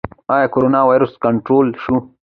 آیا کرونا ویروس کنټرول شو؟